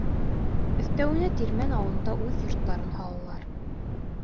Өҫтәүенә, Тирмән ауылында үҙ йорттарын һалалар.